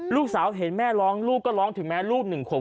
ลูกสาวเห็นแม่ร้องลูกก็ร้องถึงแม้ลูกหนึ่งขวบ